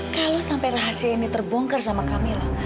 kalau sampai rahasia ini terbongkar sama kamila